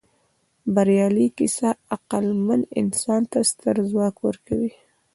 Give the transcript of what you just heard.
بریالۍ کیسه عقلمن انسان ته ستر ځواک ورکوي.